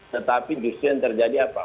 tetapi justru yang terjadi apa